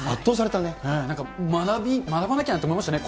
なんか学ばなきゃって思いましたね。